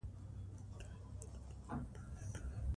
کلتور د ازادي راډیو د مقالو کلیدي موضوع پاتې شوی.